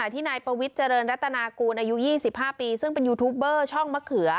ที่นายปวิทย์เจริญรัตนากูลอายุ๒๕ปีซึ่งเป็นยูทูปเบอร์ช่องมะเขือ